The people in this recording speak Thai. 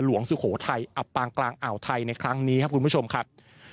สุโขทัยอับปางกลางอ่าวไทยในครั้งนี้ครับคุณผู้ชมครับ